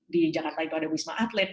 di jakarta itu ada wisma atlet